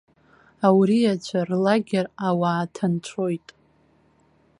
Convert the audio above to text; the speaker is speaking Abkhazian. Ауриацәа рлагер ауаа ҭанҵәоит.